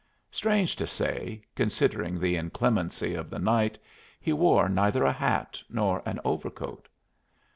Strange to say, considering the inclemency of the night, he wore neither a hat nor an overcoat.